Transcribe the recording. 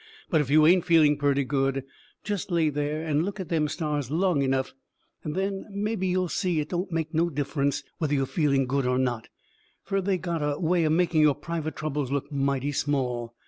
But if you ain't feeling purty good, jest lay there and look at them stars long enough; and then mebby you'll see it don't make no difference whether you're feeling good or not, fur they got a way o' making your private troubles look mighty small.